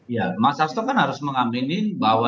ya mas hasto kan harus mengamenin bahwa